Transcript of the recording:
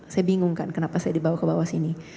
saya bingung kan kenapa saya dibawa ke bawah sini